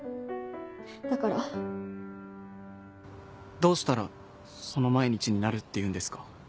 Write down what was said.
どうしたらその毎日になるっていうんですか？